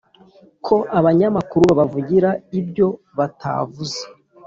ko abanyamakuru babavugira ibyo batavuze.